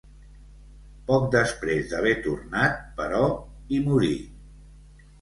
Poc després d'haver tornat, però, hi morí.